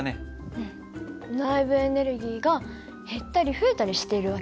うん内部エネルギーが減ったり増えたりしている訳ね。